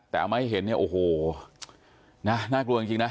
แต่เอามาให้เห็นเนี่ยโอ้โหน่ากลัวจริงนะ